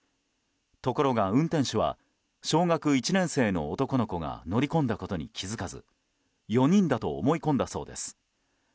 ところが運転手は小学１年生の男の子が乗り込んだことに気づかず４人だと思い込んだそうです。